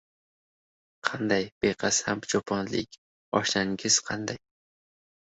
Qanday, beqasam choponlik oshnaginangiz qanday?